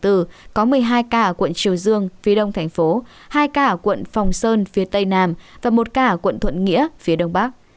triều dương phía đông thành phố hai ca ở quận phòng sơn phía tây nam và một ca ở quận thuận nghĩa phía đông bắc